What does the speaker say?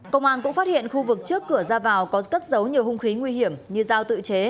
công an cũng phát hiện khu vực trước cửa ra vào có cất giấu nhiều hung khí nguy hiểm như dao tự chế